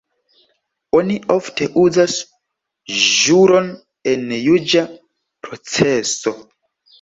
Oni ofte uzas ĵuron en juĝa proceso.